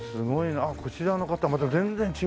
こちらの方また全然違う。